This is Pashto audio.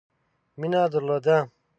مینه درلوده.